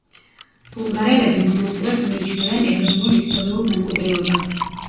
ბულგარელები მონასტერს მიიჩნევენ ეროვნულ ისტორიულ მემკვიდრეობად.